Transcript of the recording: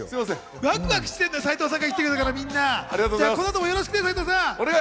ワクワクしてるんだよ、斉藤さんが来てくれたから、この後もよろしくね。